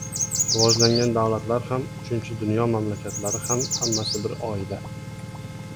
Rivojlangan davlatlar ham, “uchinchi dunyo” mamlakatlari ham — hammasi bir oila.